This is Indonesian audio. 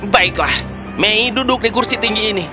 baiklah mei duduk di kursi tinggi ini